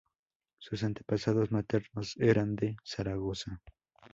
Sus antepasados maternos eran de Zaragoza.